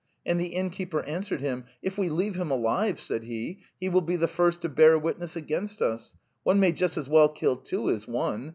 And the innkeeper answered him: 'If we leave him alive,' said he, ' he will be the first to bear witness against us. One may just as well kill two as one.